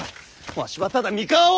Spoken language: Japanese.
わしはただ三河を。